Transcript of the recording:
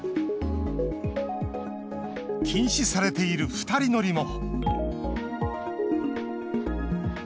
禁止されている２人乗りも。